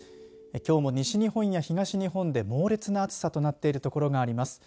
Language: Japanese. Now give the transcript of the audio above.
きょうも西日本や東日本で猛烈な暑さとなっている所があります。